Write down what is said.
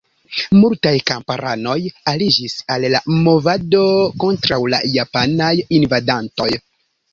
Multaj kamparanoj aliĝis al la movado kontraŭ la japanaj invadantoj.